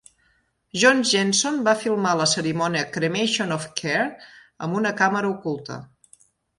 Jones i Hanson van filmar la cerimònia "Cremation of Care" amb una càmera oculta.